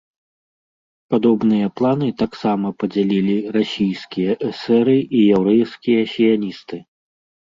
Падобныя планы таксама падзялялі расійскія эсэры і яўрэйскія сіяністы.